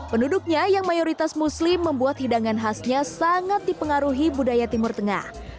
penduduknya yang mayoritas muslim membuat hidangan khasnya sangat dipengaruhi budaya timur tengah